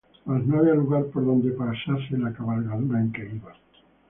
mas no había lugar por donde pasase la cabalgadura en que iba.